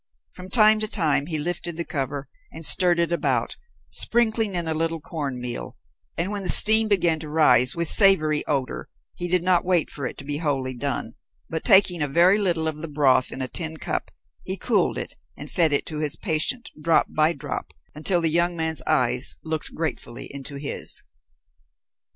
From time to time he lifted the cover and stirred it about, sprinkling in a little corn meal, and when the steam began to rise with savory odor, he did not wait for it to be wholly done, but taking a very little of the broth in a tin cup, he cooled it and fed it to his patient drop by drop until the young man's eyes looked gratefully into his.